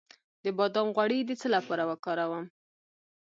د بادام غوړي د څه لپاره وکاروم؟